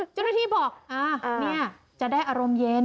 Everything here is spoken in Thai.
เจ้าหน้าที่บอกจะได้อารมณ์เย็น